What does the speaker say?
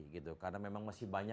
karena memang masih banyak